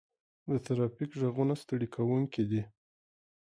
د ترافیک غږونه ستړي کوونکي دي.